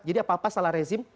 jadi apa apa salah rezim